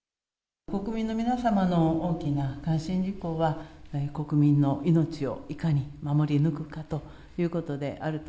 国民の皆様の大きな関心事項は、国民の命をいかに守り抜くかということであると。